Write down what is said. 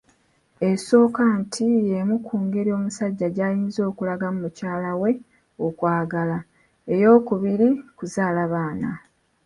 Esooka nti y'emu ku ngeri omusajja gy'ayinza okulagamu mukyala we okwagala, ey'okubiri, kuzaala baana.